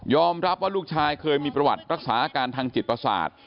รับว่าลูกชายเคยมีประวัติรักษาอาการทางจิตประสาท